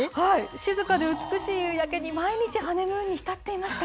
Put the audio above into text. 静かで美しい夕焼けに海だけに、毎日ハネムーンに浸っていました。